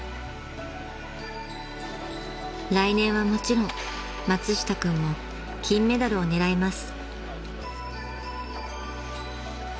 ［来年はもちろん松下君も金メダルを狙います］